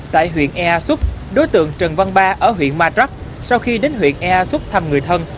tại huyện ea xúc đối tượng trần văn ba ở huyện ma trắc sau khi đến huyện ea xúc thăm người thân